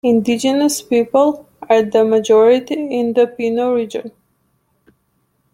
Indigenous people are the majority in the Puno region.